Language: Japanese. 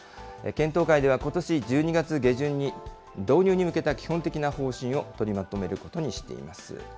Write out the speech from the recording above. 検討会では、ことし１２月下旬に、導入に向けた基本的な方針を取りまとめることにしています。